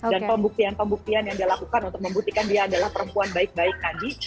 dan pembuktian pembuktian yang dia lakukan untuk membuktikan dia adalah perempuan baik baik tadi